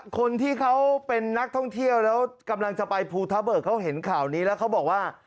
คนที่เขาเป็นนักท่องเที่ยวแล้วกำลังจะไปภูทะเบิกเขาเห็นข่าวนี้แล้วเขาบอกว่า